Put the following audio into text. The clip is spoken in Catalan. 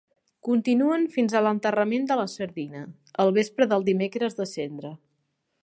Continuen fins a l'enterrament de la sardina, al vespre del Dimecres de Cendra.